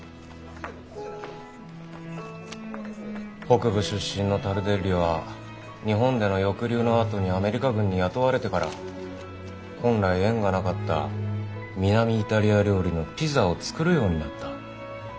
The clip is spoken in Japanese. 北部出身のタルデッリは日本での抑留のあとにアメリカ軍に雇われてから本来縁がなかった南イタリア料理のピザを作るようになった。